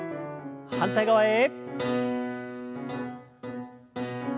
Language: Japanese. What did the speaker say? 反対側へ。